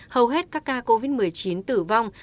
hầu hết các ca covid một mươi chín tử vong